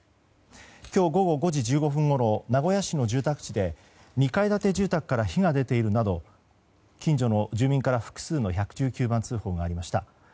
今日午後５時１５分ごろ名古屋市の住宅地で２階建て住宅から火が出ているなど近所の住民から複数の１１９番通報がありました。